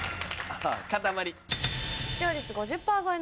かたまり。